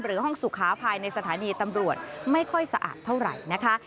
ห้องสุขาภายในสถานีตำรวจไม่ค่อยสะอาดเท่าไหร่นะคะ